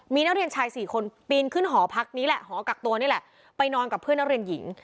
มีนเรียนชาย๔คนปีนขึ้นหอกักตัวนี้ไปนอนกับเพื่อนเรียนหญิง